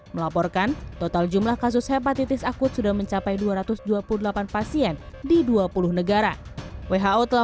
melaporkan total jumlah kasus hepatitis akut sudah mencapai dua ratus dua puluh delapan pasien di dua puluh negara who telah